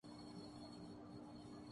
باقی اس غزل میں کوئی اور خامی نہیں۔